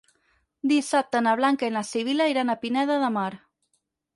Dissabte na Blanca i na Sibil·la iran a Pineda de Mar.